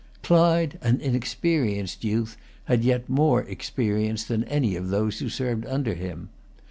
Clive, an inexperienced youth, had yet more experience than any of those who served under him.